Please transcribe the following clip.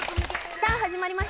さあ始まりました